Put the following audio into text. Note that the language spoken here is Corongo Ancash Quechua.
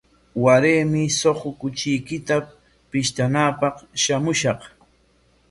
Waraymi suqu kuchiykita pishtanapaq shamushaq.